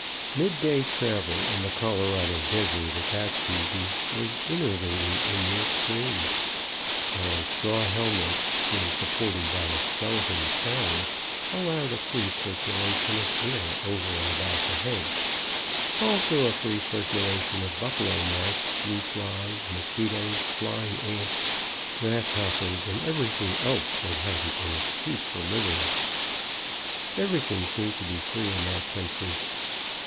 Mid day travel, in the Colorado desert at that season, was enervating in the extreme. Our straw helmets, being supported by a skeleton crown, allowed a free circulation of air over and about the head; also a free circulation of buffalo gnats, blue flies, mosquitos, flying ants, grasshoppers, and everything else that hadn't an excuse for living. Everything seemed to be free in that country.